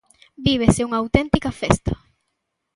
Vívese unha auténtica festa.